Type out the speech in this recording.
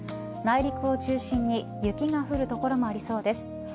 内陸を中心に雪が降る所もありそうです。